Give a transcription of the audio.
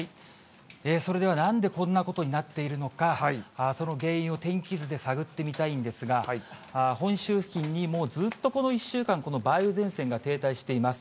それでは、なんでこんなことになっているのか、その原因を天気図で探ってみたいんですが、本州付近に、もうずっとこの１週間、この梅雨前線が停滞しています。